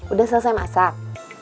udah selesai masak